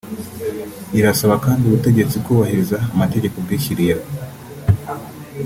Irasaba kandi ubutegetsi kubahiliza amategeko bwishyiriyeho